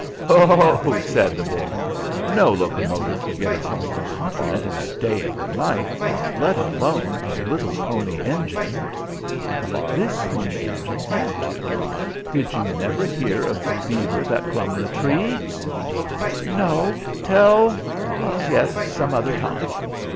"Ho!" said the boy. "No locomotive could get across the continent in a day and a night, let alone a little Pony Engine." "But this Pony Engine had to. Did you never hear of the beaver that clomb the tree?" "No! Tell " "Yes, some other time."